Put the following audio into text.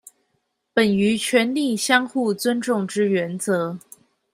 本於權力相互尊重之原則